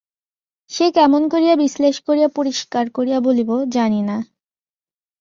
সে কেমন করিয়া বিশ্লেষ করিয়া পরিষ্কার করিয়া বলিব জানি না।